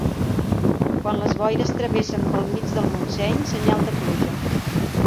Quan les boires travessen pel mig del Montseny, senyal de pluja.